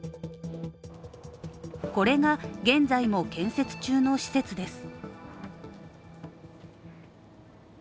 これが現在も建設中の施設です。